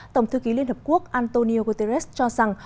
tổng thư ký liên hợp quốc antonio guterres cho rằng